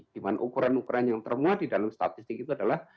dimana ukuran ukuran yang termuat di dalam statistik itu adalah